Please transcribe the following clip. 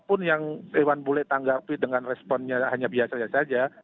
apapun yang iwan bule tanggapi dengan responnya hanya biasa saja